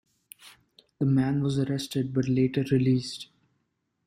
The man was arrested but later released.